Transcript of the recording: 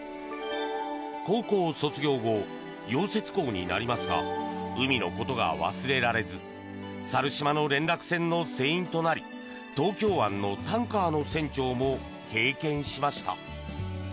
高校卒業後、溶接工になりますが海のことが忘れられず猿島の連絡船の船員となり東京湾のタンカーの船長も経験しました。